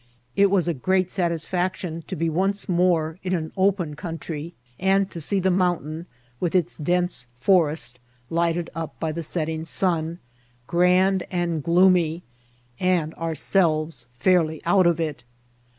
It was a great satisfaction to be once more in an open country, and to see the mount ain, with its dense forest, lighted up by the setting sun, grand and gloomy, and ourselves fairly out of it.